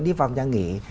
đi vào nhà nghỉ